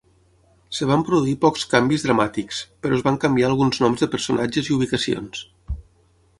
Es van produir pocs canvis dramàtics, però es van canviar alguns noms de personatges i ubicacions.